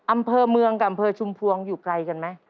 อำเภอเมืองกับอำเภอชุมพวงอยู่ไกลกันไหม